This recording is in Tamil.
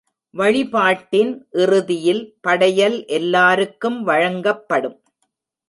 வழிபாட்டின் இறுதியில் படையல் எல்லாருக்கும் வழங்கப்படும்.